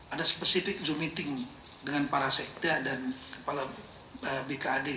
ada spesifik zoom meeting dengan para sekda dan kepala bkad